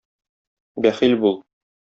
Бәхил бул...